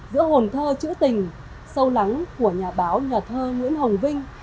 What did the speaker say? giữa hồn thơ chữ tình sâu lắng của nhà báo nhà thơ nguyễn hồng vinh